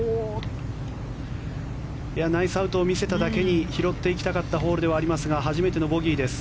ナイスアウトを見せただけに拾っていきたかったホールではありますが初めてのボギーです。